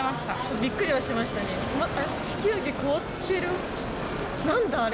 びっくりはしましたね、あれ？